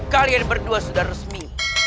kalian berdua sudah resmi